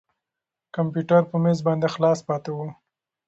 کمپیوټر په مېز باندې خلاص پاتې و.